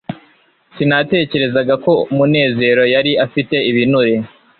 sinatekerezaga ko munezero yari afite ibinure